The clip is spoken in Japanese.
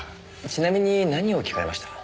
ちなみに何を聞かれました？